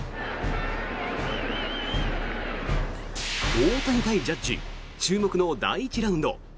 大谷対ジャッジ注目の第１ラウンド。